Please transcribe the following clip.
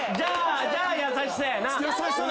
じゃあ優しさやな。